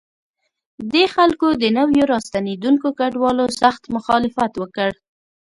دې خلکو د نویو راستنېدونکو کډوالو سخت مخالفت وکړ.